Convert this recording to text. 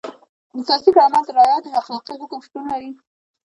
د ذاتي کرامت د رعایت اخلاقي حکم شتون لري.